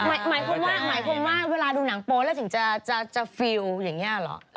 หมายความว่าเวลาดูหนังโป๊อแล้วถึงจะฟิลอย่างนี้หรอ